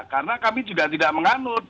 karena kami juga tidak menganut